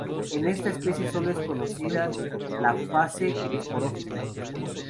En esta especie sólo es conocida la fase esporófito.